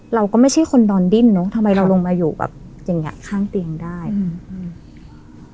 เราก็ไม่ใช่คนนอนดิ้นเนอะทำไมเราลงมาอยู่แบบอย่างเงี้ข้างเตียงได้อืมอืม